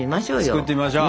作ってみましょう！